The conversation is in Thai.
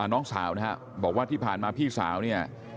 น้องสาวนะครับบอกว่าที่ผ่านมาพี่สาวเนี่ย